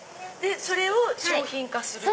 それを商品化する？